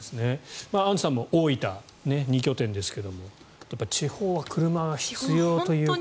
アンジュさんも大分２拠点ですけど地方は車が必要ということなんですね。